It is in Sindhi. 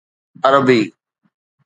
عربي